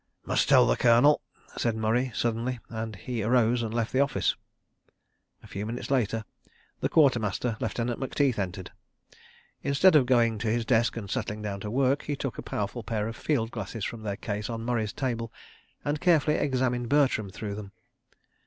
... "Must tell the Colonel," said Murray suddenly, and he arose and left the office. A few minutes later the Quartermaster, Lieutenant Macteith, entered. Instead of going to his desk and settling down to work, he took a powerful pair of field glasses from their case on Murray's table and carefully examined Bertram through them.